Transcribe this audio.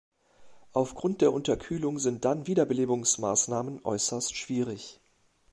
Aufgrund der Unterkühlung sind dann Wiederbelebungsmaßnahmen äußerst schwierig.